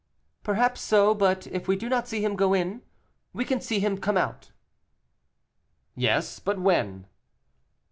"Perhaps so; but if we did not see him go in, we can see him come out." "Yes, but when?"